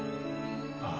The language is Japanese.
ああ。